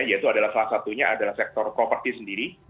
yaitu adalah salah satunya adalah sektor properti sendiri